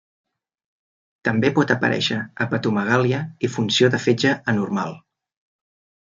També pot aparèixer hepatomegàlia i funció de fetge anormal.